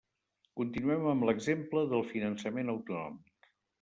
Continuem amb l'exemple del finançament autonòmic.